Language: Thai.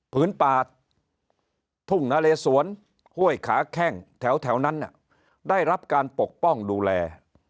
ผืนป่าทุ่งนาเลสวนห้วยขาแข้งแถวนั้นได้รับการปกป้องดูแล